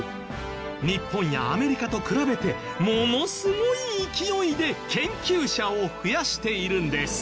日本やアメリカと比べてものすごい勢いで研究者を増やしているんです。